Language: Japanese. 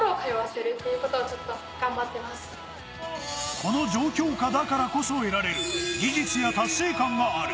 この状況下だからこそ得られる技術や達成感がある。